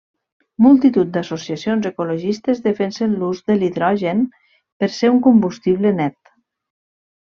Multitud d'associacions ecologistes defensen l'ús de l'hidrogen per ser un combustible net.